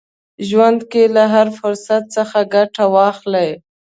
ژوند کې له هر فرصت څخه ګټه واخلئ.